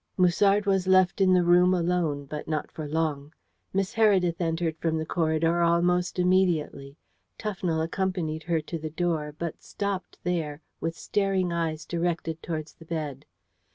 Musard was left in the room alone, but not for long. Miss Heredith entered from the corridor almost immediately. Tufnell accompanied her to the door, but stopped there, with staring eyes directed towards the bed.